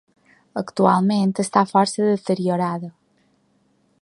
Actualment està força deteriorada.